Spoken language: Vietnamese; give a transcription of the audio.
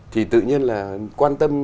thì tự nhiên là quan tâm